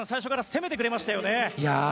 攻めてくれました。